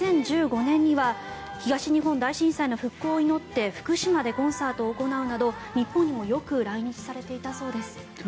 ２０１５年には東日本大震災の復興を祈って福島でコンサートを行うなど日本にもよく来日されていたそうです。